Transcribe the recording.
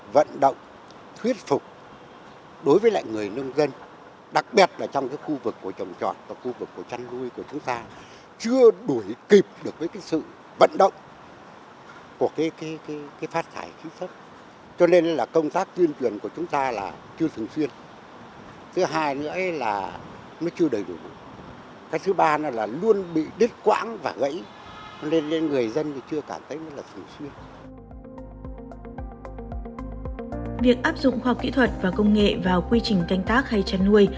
việc áp dụng khoa học kỹ thuật và công nghệ vào quy trình canh tác hay chăn nuôi